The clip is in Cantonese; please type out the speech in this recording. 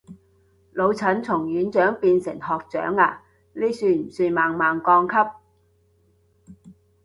老陳從院長變成學長啊，呢算不算猛猛降級